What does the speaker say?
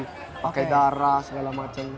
pakai darah segala macam